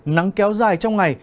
nắng kéo dài trong ngày